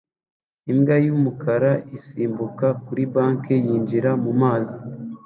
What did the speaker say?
Imbwa y'umukara isimbuka kuri banki yinjira mu mazi